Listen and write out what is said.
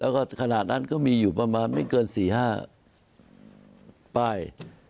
แล้วก็ขนาดนั้นก็มีอยู่ประมาณไม่เกิน๔๕ป้าย